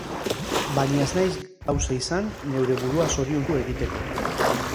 Baina ez naiz gauza izan neure burua zoriontsu egiteko.